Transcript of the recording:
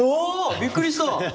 びっくりした！